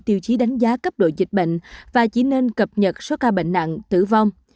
tiêu chí đánh giá cấp độ dịch bệnh và chỉ nên cập nhật số ca bệnh nặng tử vong